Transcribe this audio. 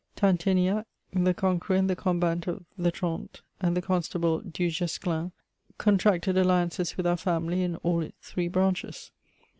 Tinteniac, the conqueror in the combat of the Trente, and the Constable du Guesclin, contracted alliances with our family in all its three branches.